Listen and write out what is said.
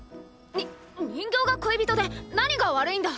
にっ人形が恋人で何が悪いんだ！